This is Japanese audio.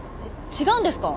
違うんですか？